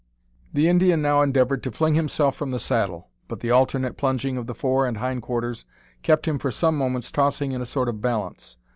The Indian now endeavoured to fling himself from the saddle; but the alternate plunging of the fore and hind quarters kept him for some moments tossing in a sort of balance.